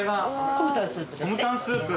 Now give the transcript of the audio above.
コムタンスープ。